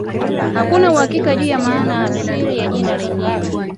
Hakuna uhakika juu ya maana ya asili ya jina lenyewe.